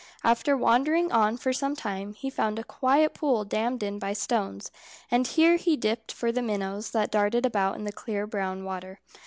After wandering on for some time, he found a quiet pool dammed in by stones, and here he dipped for the minnows that darted about in the clear brown water.